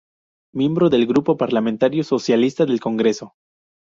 Miembro del Grupo Parlamentario Socialista del Congreso.